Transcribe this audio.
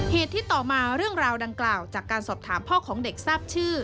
เหตุที่ต่อมาเรื่องราวดังกล่าวจากการสอบถามพ่อของเด็กทราบชื่อ